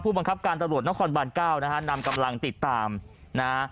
บังคับการตำรวจนครบานเก้านะฮะนำกำลังติดตามนะฮะ